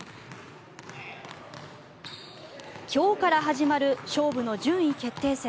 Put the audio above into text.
今日から始まる勝負の順位決定戦。